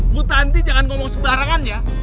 bu tanti jangan ngomong sembarangan ya